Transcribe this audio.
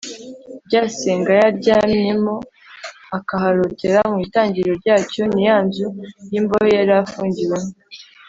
Rya senga yaryamyemo akaharotera, mu itangiriro ryacyo ni ya nzu y’imbohe yari afungiwemo